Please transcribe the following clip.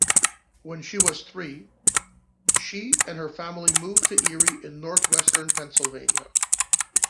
When she was three, she and her family moved to Erie in northwestern Pennsylvania.